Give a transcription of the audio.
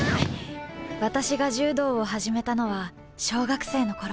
私が柔道を始めたのは小学生の頃。